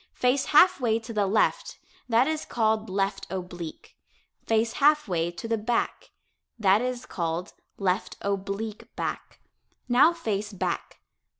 Face half way to the left that is called "left oblique." Face half way to the back that is called "left oblique back." Now face back.